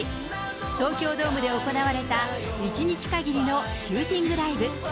東京ドームで行われた１日限りのシューティングライブ。